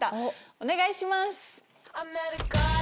お願いします！